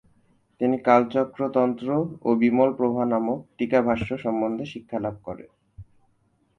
তিনি কালচক্র তন্ত্র ও বিমলপ্রভা নামক টীকাভাষ্য সম্বন্ধে শিক্ষালাভ করেন।